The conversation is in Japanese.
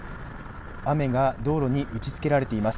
雨が道路に打ちつけられています。